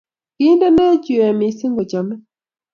kiindenech yue mising kochomei